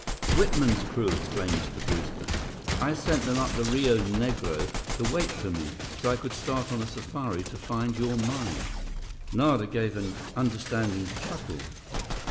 "Whitman's crew!" exclaimed Mr. Brewster. "I sent them up the Rio Negro to wait for me, so I could start on a safari to find your mine." Nara gave an understanding chuckle.